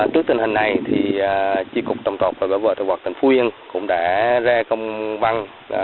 trước tình hình này tri cục trồng trọt và bảo vệ thực vật tỉnh phú yên cũng đã ra công văn